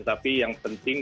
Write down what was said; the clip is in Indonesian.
tapi yang penting